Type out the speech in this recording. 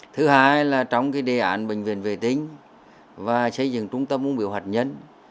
thứ hai là trong cái đề ản bệnh viện vệ tính và xây dựng trung tâm môn biểu hoạt nhân